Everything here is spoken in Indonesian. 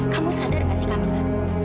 kamu sadar nggak sih camilla